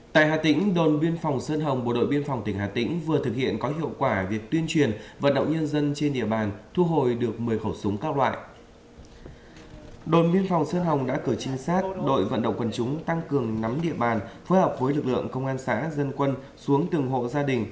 tại hà tĩnh đồn biên phòng sơn hồng bộ đội biên phòng tỉnh hà tĩnh vừa thực hiện có hiệu quả việc tuyên truyền vận động nhân dân trên địa bàn thu hồi được một mươi khẩu súng các loại